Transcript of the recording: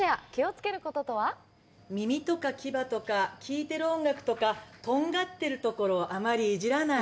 「耳とか牙とか聞いてる音楽とかとんがってるところをあまりイジらない」。